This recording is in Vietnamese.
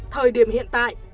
thời điểm hiện tại